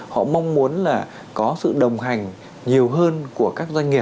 họ mong muốn là có sự đồng hành nhiều hơn của các doanh nghiệp